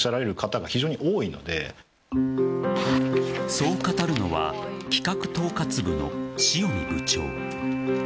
そう語るのは企画統括部の塩見部長。